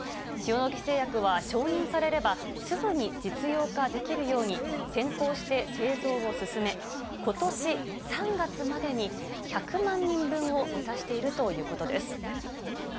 塩野義製薬は承認されれば、すぐに実用化できるように、先行して製造を進め、ことし３月までに、１００万人分を目指しているということです。